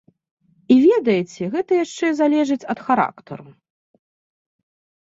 І ведаеце, гэта яшчэ залежыць ад характару.